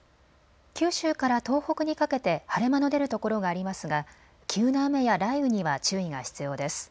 九州から東北にかけて晴れ間の出る所がありますが急な雨や雷雨には注意が必要です。